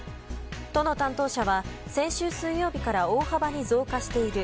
都の担当者は、先週水曜日から大幅に増加している。